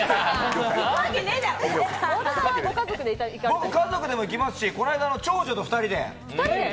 僕、家族でも行きますし、こないだ長女と２人で。